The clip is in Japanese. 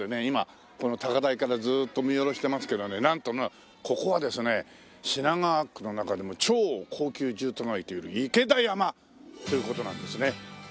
今この高台からずーっと見下ろしてますけどねなんとここはですね品川区の中でも超高級住宅街という池田山という事なんですね。